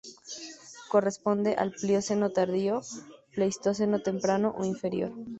Corresponde al Plioceno tardío-Pleistoceno temprano o inferior.